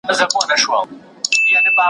چي افغانان په خپل هیواد کي ,